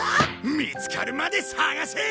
見つかるまで探せ！